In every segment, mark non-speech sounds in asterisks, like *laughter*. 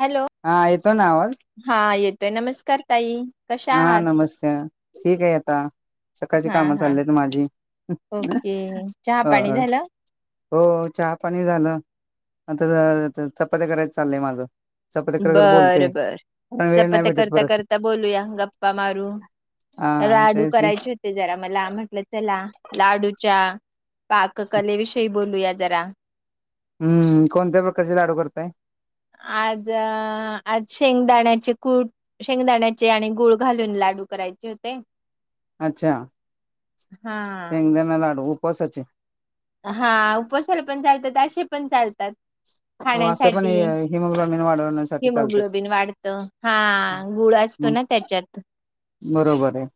Hello. हा, आहेत. हा येतोय, नमस्कार ताई. कशा हा, आहात? नमस्कार. ठीक आहे आता. सकाळची हा कामं, हा चाललीत माझी. ओके चहा पाणी होय. झालं हो, चहा पाणी झालं. आता चपात्या करायचं चालंय माझं. चपात्या करत करत बोलते, बरं बर कारण वेळ नाही चपात्या भेटत करता परत. करता बोलूया, गप्पा मारू. हा लाडू तेच की करायचे होत ते जरा मला. म्हटलं, चला लाडूच्या पाककले विषयी बोलूया जरा. हम्म. कोणत्या प्रकारचे लाडू करताय? आज, आज शेंगदाण्याचे कूट शेंगदाण्याचे आणि गूळ घालून, लाडू करायचे होते. अच्छा! हा शेंगदाणा लाडू, उपवासाचे? हा. उपवासाला पण चालतात, असे पण चालतात. हो असं पण खाण्यासाठी, हिमोग्लोबिन वाढवण्यासाठी चालते हिमोग्लोबिन वाढतं. हा, गुळ अस तो मग ना त्याच्यात. बरोबर आहे.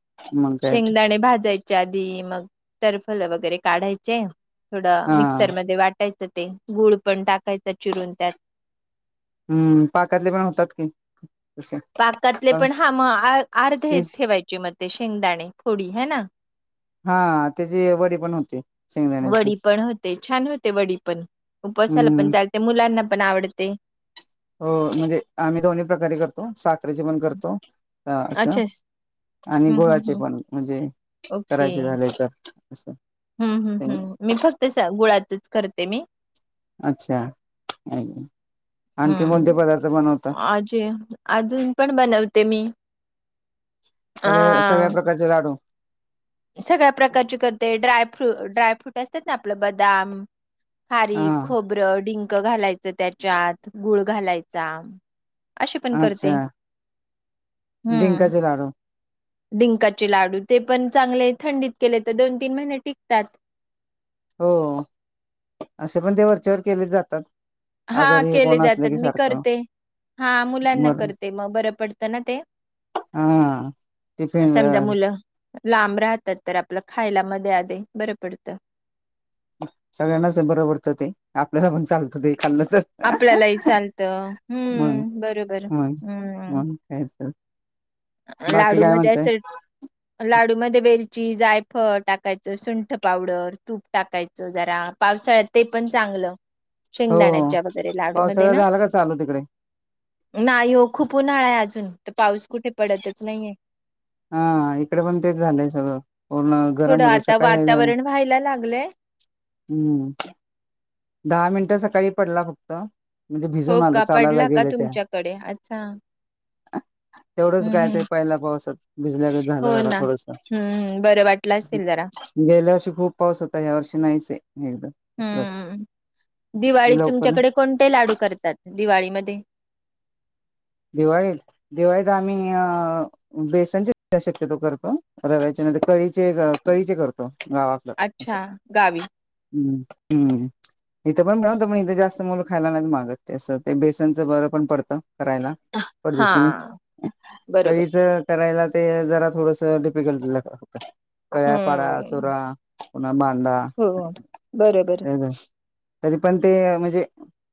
मग काय तर. शेंगदाणे भाजायचे आधी, मग टरफल वगैरे काढायचे थोडं हा मिक्सरमध्ये वाटायचं ते, गुळ पण टाकायचं चिरून त्यात. हम्म, पाकातले पण होतात की. तसे पाकातले पण हा मग अ अर्धे तेच ठेवायचे, मग ते शेंगदाणे थोडी हाय ना. हा, त्याची वडी पण होते. शेंगदाण्याची वडी पण होते, छान होते वडी पण. उपवासाला हम्म पण चालते, मुलांना पण आवडते. हो, म्हणजे आम्ही दोन्ही प्रकारे करतो. साखरेची पण करतो हा असं, अच्छा आणि हम्म हम्म गुळाची हम्म पण. म्हणजे ओके करायचे झाले तर असं. हम्म हम्म हम्म. मी फक्त गुळातच करते मी. अच्छा! आणखी कोणते पदार्थ बनवता? आ जे अजून पण बनवते, मी. अ अगं, सगळ्या प्रकारचे लाडू? सगळ्या प्रकारची करते. ड्राय फ्रू ड्रायफ्रूट असतात ना, आपलं बदाम, खारी, हा खोबरं, डिंक घालायचं त्याच्यात गुळ घालायचा. अशी पण अच्छा करते. हम्म. डिंकाचे लाडू डिंकाचे लाडू. ते पण चांगले थंडीत केले त दोन तीन महिने टिकतात हो असे पण ते वरच्यावर केले जातात. हा आजारी हे केले कोण असलं जातात. की मी सारखं करते. हा मुलांना बरं करते. मग बरं पडतं ना ते. हा टिफिन समजा वर, मुलं लांब राहतात तर, आपलं खायला मध्ये आधी बरं पडतं सगळ्यांनाच बरं पडतं ते. आपल्याला पण चालतं ते. खाल्लंच तर. आपल्यालाही चालतं. मग हम्म बरोबर मग हम्म. मग काय त. लाडू मध्ये अस लाडूमध्ये वेलची, जायफळ टाकायचं. सुंठ पावडर, तूप टाकायचं. जरा पावसाळ्यात ते पण चांगलं. हो शेंगदाण्याच्या वगैरे लाडूमध्ये पावसाळा ना, झाला का चालू तिकडे नाही हो खूप उन्हाळाय. अजून त पाऊस कुठे पडतच नाहीे हे. हा इकडे पण तेच झालंय सगळं. पूर्ण गरम होत सकाळी चांगलय. हम्म. दहा मिनिटं सकाळी पडला फक्त. म्हणजे हो भिजून आलो का चालायला पडला का गेले त्या. तुमच्याकडे अच्छा तेवढंच हम्म काय हम्म ते पहिला पावसात. भिजल्याच झालं जरा थोडस. बर वाटलात. गेल्या वर्षी खूप पाऊस होता ह्या वर्षी नाहीच. एकदा कसलच हम्म. दिवाळीत तुमच्याकडे कोणते लाडू करतात? दिवाळीमध्ये? दिवाळीत. दिवाळीत आम्ही अ बेसनचे शक्यतो करतो. रव्याच्या नंतर कळीचे कळीचे करतो गावात. अच्छा गावी. हम्म हम्म. इथं पण बणवतं पण इथे जास्त मुल खायला नाहीत मागत. ते बेसनचं बरं पण पडतं करायला. हा पटदेशीनी. बरोबर कळीच करायला ते जरा थोडस डिफिकल्ट होत. कळ्या पाडा. हम्म चूरा. पुना बांदा. हो बरोबर. तरी पण ते म्हणजे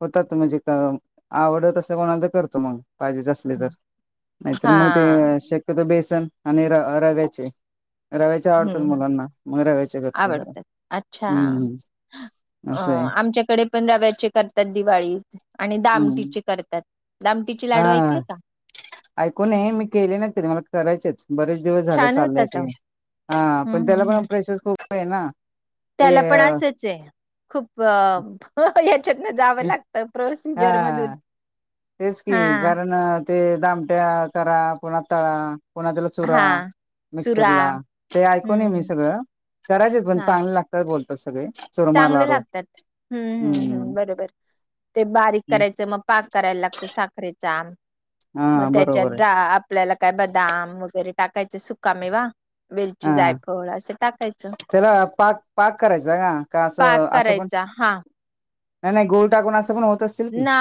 होतात. म्हणजे क आवडतसं कोणाला तर करतो मग. पाजेच असले तर. नाहीतर मग ते हां, शक्यतो बेसन आणि र रव्याचे. रव्याचे आवडतात हं, हं. मुलांना. म रव्याचे करते जरा. आवडतात. अच्छा. हम्म. अ असं आहे आमच्याकडे पण रव्याचे करतात दिवाळी. आणि हम्म दामटीचे करतात. दम टि हा ऐकूनये मी केले नाहीत कधी. मला करायचेत. बरेच दिवस झालं छान चाललंय होतात ते. अहो. हा हं, पण त्याला हं, पण हं. प्रेशर खूपे ना. ते त्याला पण अ, अस खूप अ याच्यातन जावं हे- लागत. प्रोसिजर मधून. हा तेच की, हां, कारण ते दामट्या करा. पुन्हा तळा पुन्हा त्याला चुरा. हां, चुरा मिक्सरला. ते ऐकून मी हं, सगळं. करायचेत पण हां, चांगले लागतात बोलतात सगळे. चुरमा चांगले लाडू लागतात. हम्म हम्म् हम्म. बरोबर ते बारीक करायचं. मग पाक करायला लागतोय, साखरेचा मग हा त्याच्यात बरोबर आहे दाब आपल्याला काय बदाम वगैरे टाकायचं सुकामेवा वेलची हा जायफळ असं टाकायचं. त्याला पाक- पाक करायचा का, का पाक असं- असं पण? करायचा हा नाही गुळ टाकुण अस पण होत असतील की ना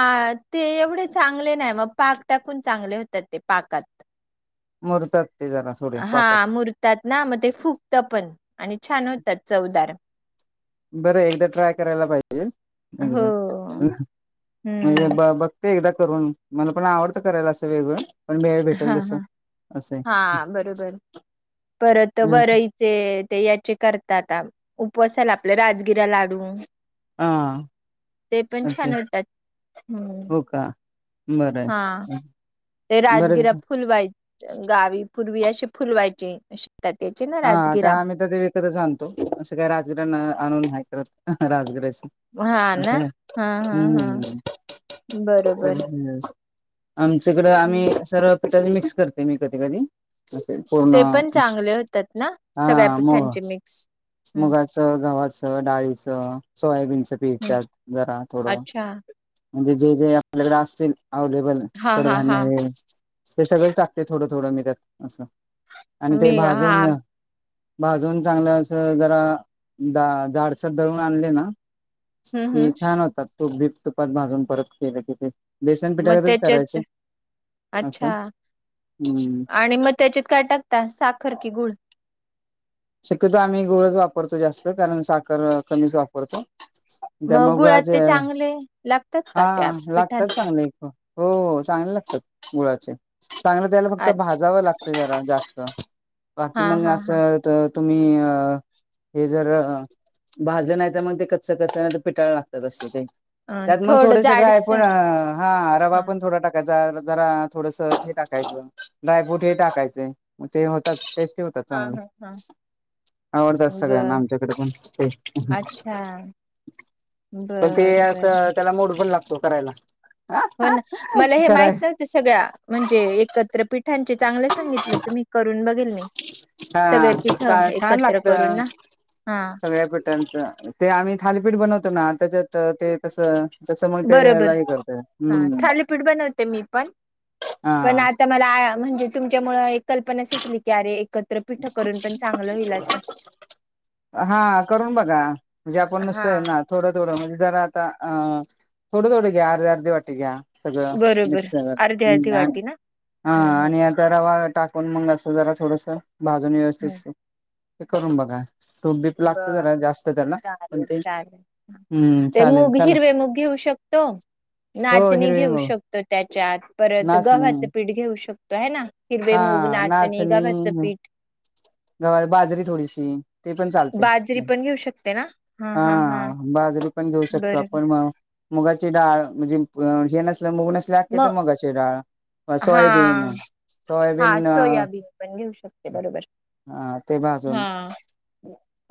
ते एवढे चांगले नाही मग पाक टाकून चांगले होतात, ते पाकात. मुरतात ते जरा थोडे हा पाकात मूर्त. त्यातना मग्न प ते फुगत पण आणि छान होतात चवदार. बरं एकदा ट्राय करायला पाहिजेल, हो एकदा अह एकदा म्हणे हम्म ब, बघ ते एकदा करून मला पण आवडतं करायला सगळं वेगळं. पण वेळ भेटेल हाहा, तसं असं हा बरोबर परत आहे वरईत ते ते याचे करतात उपवासाला आपल्या राजगिरा लाडू. हा, ते पण अच्छा छान होतात हम्म, हो का बरं हा आहे ते बरं राजगिरा फुलवाय गावी पूर्वी अशी फुलवायचे आशी ता तयाचेनार, हा ते आम्ही तर ते विकतच आणतो असं काय राजगर्यांना आणून ह करत राजिराष हा ना असे हा हा हा हम्म बरोबर *unintelligible* आमच्याकडं आम्ही सर्व पिठात मिक्स करते मी कधी कधी अस ते पूर्णा. पण चांगले होतात ना आ, सगळ्या भ पिठांचे मिक्स हम्म मुगाचं,, गव्हाचं डाळीचं सोयाबीनचंचे तेशभश हम्म एकदा जरा थोडं, अच्छा म्हणजे जे जे आपल्याकडे असतील अवलेबल हा हा कडधान्य हा हे, हू थोडं धान्य हे सगळंच टाकते थोडं, थोडं मी त्यात असं आणि ते मी हा भाजून अं भाजून चांगलं असं जरा जा जाडसर दळून आणले ना हम्म ती हम्म छान होतात तू बिप तुपात भाजून परत केले तर ते. बेसन मग पिठाचंच त्याच्यात करायचं असं अच्छा हम्म, आणि मग त्याच्यात काय टाकता साखर की गुळ? शक्यतो आम्ही गुळचं वापरतो जास्त कारण साखर कमीच वापरतो. त्या मग गुळात गुळाचे, ते चांगले लागतात का त्या हा लागतात पिठांचे चांगले *unintelligible* हो चांगले लागतात गुळाचे चांगले, त्याला फक्त अच्छा भाजावं लागतं जरा जास्त. बाकी हा मगं हा हा असं त तुम्ही अ हे जर अं भाजलं नाही तर मग ते कच्च- कच्च नाही तर पिठाळं लागतात असे ते. अ त्यात मगं थोडं थोडेसे ड्रायफ्रुट जाडसर हा, हा रवा पण थोडा टाक भाजायला जरा थोडसं हे टाकायचं ड्रायफ्रूट हे टाकायचे मग ते होतत टेस्ट हा, हा, हा आवडतात बर सगळ्यांना आमच्याकडे पण ते. अच्छा बरं, बरं असंय त्याला मूड लागतो करायला. हो ना मला हे कराय माहित नही. सगळ्या म्हणजे एकत्र पीठांचे चांगलं सांगितलं तुम्ही करून बघेल मी. हा सगळे पीठ काळं छान एकत्र करून लागतं, ना हा सगळ्या पिठांनच. ते आम्ही थालीपीठ बनवतो ना, त्याच्यात ते तसं तसं मग ते बरोबर ह्याला हे करतय हा हम्म थालीपीठ बनवते मी पण, पण आत हा आता मला म्हणजे तुमच्यामुळे एक कल्पना सुचली की अरे एकत्रपीठ करून पण चांगलं होईल असं. हा करून बघा, म्हणजे आपण हा नुसतं ये ना थोडं थोडं म्हणजे जरा आता अं थोडं थोडं घ्या अर्धे अर्धे वाटी घ्या सगळं बरोबर मिक्स कर अर्धी अर्धी वाटी ना हा हम्म आणि आता रवा टा पण मग असं जरा थोडंसं, भाजून हम्म व्यवस्थित हे करून बघा. तूप बीप लागत बर जरा जास्त त्याला, पण चालेल ते चालेल हम्म चालेल चला. तो हो नाचणी हिरवी घेऊ मग शकतो त्याच्यात, परत नाचणी गव्हाचं पीठ घेऊ शकतो. तो ह ना हा हिरवेमुग नाचणी गव्हाच पीट गव्हात बाजरी थोडीशी ते पण चालते बाजरी पण घेऊ शकते ना हा बाजरी पण घेऊ शकतो बरोबर आपण म मुगाची डाळ म्हणजे हे नसलं मुग नसल जास्तीची मग मुगाची डाळ हा सोयाबीन हा सोयाबीन *unintelligible* पण घेऊ शकतो बरोबर. हा ते भाजून हा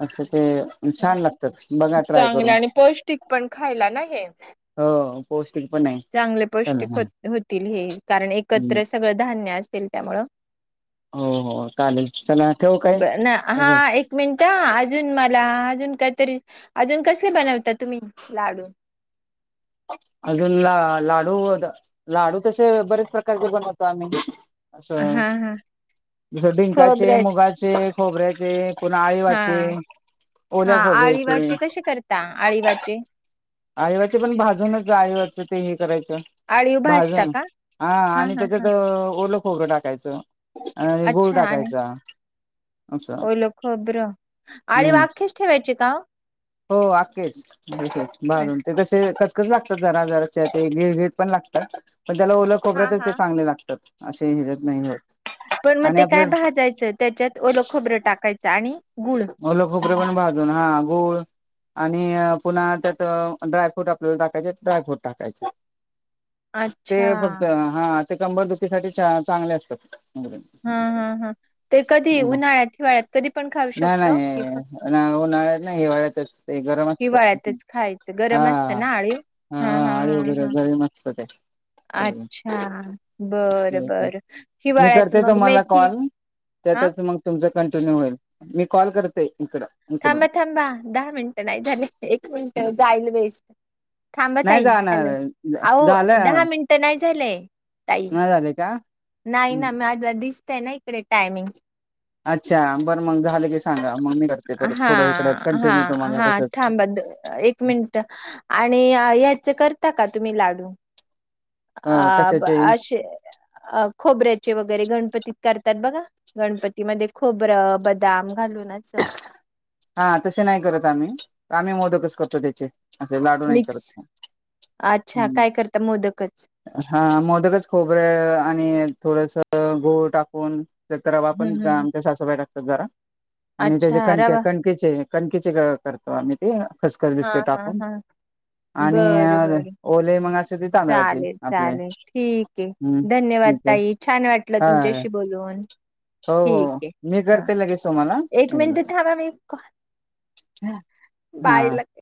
अस ते छान लागतात बघा ट्राय चांगल करून आणि पौष्टिक पण खायला ना हे. हो पौष्टिक पण आहे चांगले चला पौष्टिक ह होतील हे कारण एकत्रच सगळं धान्य असतील त्यामुळं हो हो चालेल, चला ठेवू काय? ब ना हा एक मिनट अजून मला अजून काहीतरी अजून कसले बनवता तुम्ही लाडू? अजून ला लाडू लाडू तसे बरेच प्रकारचे बनवतो आम्ही. असं हा हा डिंकाचे खोबऱ्याचे मुगाचे खोबऱ्याचे पुन्हा हा आळीवाचे हा ओल्या खोबऱ्याचे आळीवाचे कसे करता आळीवाचे आळीवाचे पण भाज जून आळीवाच ते हे करायचं, आळीव भाजता भाजून का हा आणि हा त्याच्यात हा ओल खोबर खोबरं टाकायचं आणि गुळ अच्छा आणि टाकायचा. असं ओल खबरं, अळीव हम्म आखीच ठेवायची का? हो आखेच. ओ भाजून ते तसे कचकच लागतात जरा जराच्या ते गिळ गिळ पण लागतात पण त्याला ओल हा खबऱ्यातच हा ते चांगले लागतात असे हेज्यात नाही होत. पण मग आणि ते काय आपलं भाजायचं, त्याच्यात ओलं खोबरं टाकायचं आणि गुळ. ओलं खोबरं पण भाजून हा गूळ आणि पुन्हा त्यात ड्रायफ्रूट आपल्याला टाकायचे ड्रायफ्रूट टाकायचे. *inaudible* ते फक्त हा ते कंबर दुखीसाठी चांगले असतात. हा हा हा ते कधी उन्हाळ्यात हिवाळ्यात कधी पण खा नाही नाही उन्हाळ्यात नाही, हीवाळ्यातच ते गरम असत हिवाळ्यातच खायचं हा गरम असतं ना आळीव हा आळीव हा जरा हा गरम असतते. अच्छा बर बर मी हिवाळ्यात करते मग तुम्हाला मेथी कॉल हा त्यातच मग तुमच कंटिन्यू होईल, मी कॉल करते इकडं थांबा थांबा दहा मिनिटं नाही झाले, एक मिनिट जाईल वेस्ट. थांबा नाही ताई, जाणार हॅलो अहो दहा झालं मिनट नाही झाले. ताई नाही झाले का? नाही ना माझा दिसतय ना इकडे टाईमिंग. अच्छा बर मग झालं की सांगा, मग मी करते परत हा थोडं इकडं हा कंटिन्यू तुम्हाला हा तसंच थांबा एक मिनट आणि याचे करता का तुम्ही लाडू? अ आ ब कशाचे अशे अ खोबऱ्याचे वगैरे, गणपतीत करतात बघा गणपतीमध्ये खोबरं, बदाम- घालुनच हा तसे नाही करत आम्ही, आम्ही मोदकच करतो त्याचे. असे लाडू नाही करत मिक्स नाही अच्छा हम्. काय करता मोदकच हा मोदकच खोबर आणि थोडस गुळटाकून, हम्म *unintelligible* हम्म आमच्या सासूबाई टाकतात जरा, आणि त्याचे अच्छा कणक रवा कणकेचे कणकेचे- करतो आम्ही ते खसखस हा बिस्कट हा टाकून हा आणि बरं बरं ओले मग असं ते- तांदळाचे चालेल आपले चालेल ठीक आहे. हम्म धन्यवाद ठीक आहे ताई छान वाटलं हा तुमच्याशी बोलून. हो हो ठीक आहे मी हा करते लगेच तम्हाला एक एकदा. मिनिट थांबा मी कॉल- बाईला हा